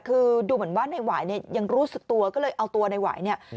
คือดูเหมือนว่าในหวายเนี่ยยังรู้สึกตัวก็เลยเอาตัวในหวายเนี่ย